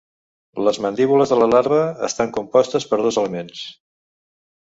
Les mandíbules de la larva estan compostes per dos elements.